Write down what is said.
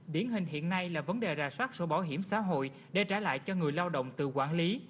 điển hình hiện nay là vấn đề rà soát sổ bảo hiểm xã hội để trả lại cho người lao động tự quản lý